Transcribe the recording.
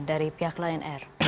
dari pihak lnr